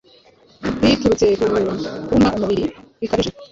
Biturutse ku kuruma umubiri bikabije